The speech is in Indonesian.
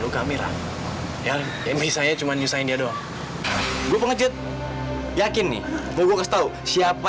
kamu gak perlu jelasin apa apa